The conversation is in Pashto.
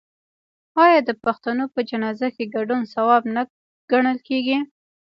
آیا د پښتنو په جنازه کې ګډون ثواب نه ګڼل کیږي؟